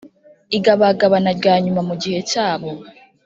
igabagabana rya nyuma mu gihe cyabo.